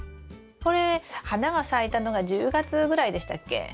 これ花が咲いたのが１０月ぐらいでしたっけ？